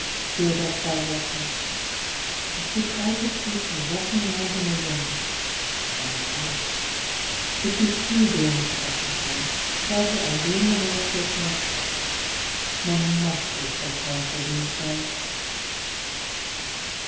Fear death by water. I see crowds of people, walking round in a ring. Thank you. If you see dear Mrs. Equitone, Tell her I bring the horoscope myself: One must be so careful these days.